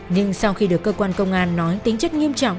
nhưng sau khi được cơ quan công an nói tính chất nghiêm trọng